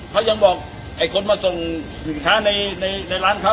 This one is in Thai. เขายังบอกไอ้คนมาส่งสินค้าในร้านเขา